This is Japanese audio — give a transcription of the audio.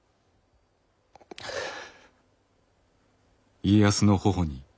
はあ。